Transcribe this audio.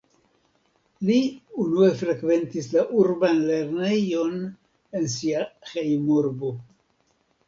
Li unue frekventis la urban lernejon en sia hejmurbo.